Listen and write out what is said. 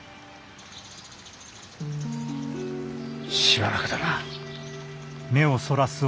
しばらくだな。